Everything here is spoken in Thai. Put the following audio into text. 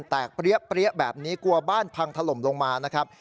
เปรี้ยแบบนี้กลัวบ้านพังถล่มลงมานะครับ